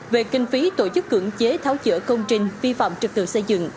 về kinh phí tổ chức cưỡng chế tháo chữa công trình vi phạm trật tự xây dựng